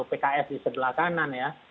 pks di sebelah kanan ya